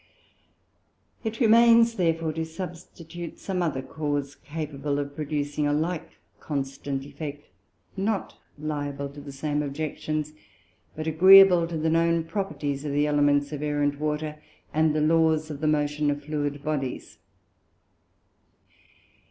It remains therefore to substitute some other Cause, capable of producing a like constant Effect, not liable to the same Objections, but agreeable to the known Properties of the Elements of Air and Water, and the Laws of the Motion of fluid Bodies.